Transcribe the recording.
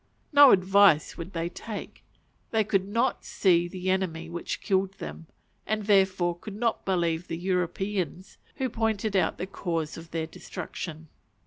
No advice would they take: they could not see the enemy which killed them, and therefore could not believe the Europeans who pointed out the cause of their destruction.